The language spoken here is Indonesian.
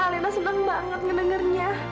alina senang banget ngedengernya